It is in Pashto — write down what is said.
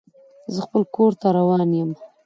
زه خپل کور ته روان یم.